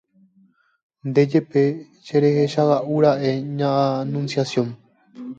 Nde jepe cherechaga'ura'e ña Anunciación